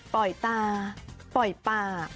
ป่อยตาป่อยปาก